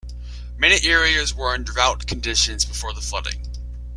Many areas were in drought conditions before the flooding.